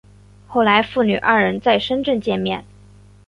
后来父女二人在深圳见面。